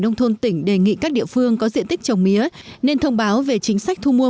nông thôn tỉnh đề nghị các địa phương có diện tích trồng mía nên thông báo về chính sách thu mua